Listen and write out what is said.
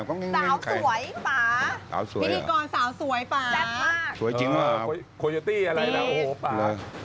ป๊าเริ่มสากสม